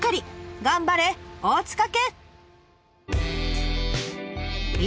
頑張れ大塚家！